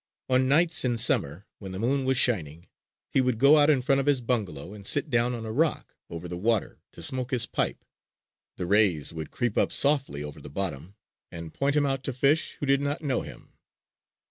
On nights in summer, when the moon was shining, he would go out in front of his bungalow and sit down on a rock over the water to smoke his pipe. The rays would creep up softly over the bottom and point him out to fish who did not know him.